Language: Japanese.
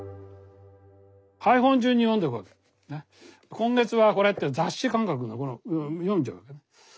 今月はこれって雑誌感覚読んじゃうわけ。